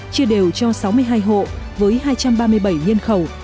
chia đều cho sáu mươi hai hộ với hai trăm ba mươi bảy nhân khẩu